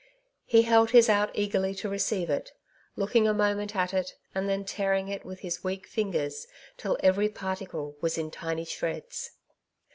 He held his out eagerly to receive it, looking a moment at it, and then tearing it with his weak fingers, till every particle was in tiny shreds.